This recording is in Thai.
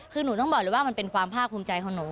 คือหนูต้องบอกเลยว่ามันเป็นความภาคภูมิใจของหนู